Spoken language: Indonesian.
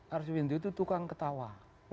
arju windu itu tukang ketawa